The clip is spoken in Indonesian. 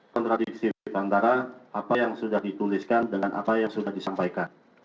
kontradiktif antara apa yang sudah dituliskan dengan apa yang sudah disampaikan